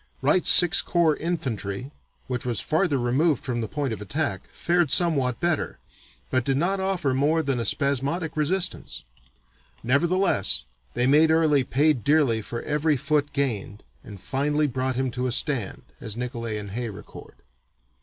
Wright's (Sixth Corps) infantry, which was farther removed from the point of attack, fared somewhat better, but did not offer more than a spasmodic resistance." Nevertheless, they made Early "pay dearly for every foot gained and finally brought him to a stand," as Nicolay and Hay record.